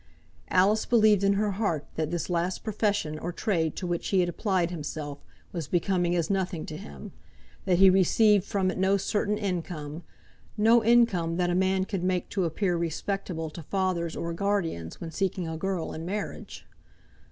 Alice believed in her heart that this last profession or trade to which he had applied himself, was becoming as nothing to him, that he received from it no certain income; no income that a man could make to appear respectable to fathers or guardians when seeking a girl in marriage.